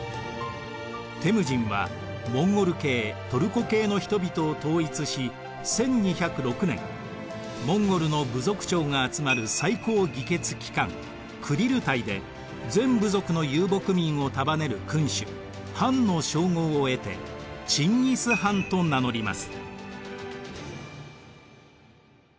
テムジンはモンゴル系トルコ系の人々を統一し１２０６年モンゴルの部族長が集まる最高議決機関クリルタイで全部族の遊牧民を束ねる君主ハンの称号を得てチンギス・ハンと名乗ります。